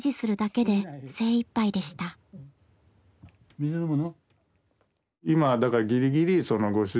水飲むの？